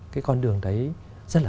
cái con đường đấy rất là